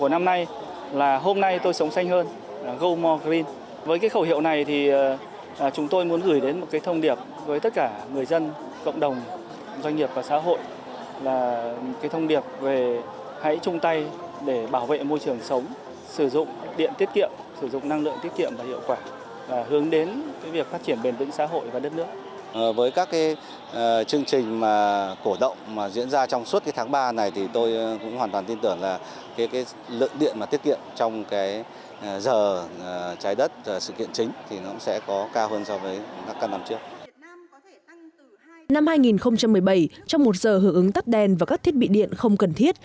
năm hai nghìn một mươi bảy trong một giờ hưởng ứng tắt đèn và các thiết bị điện không cần thiết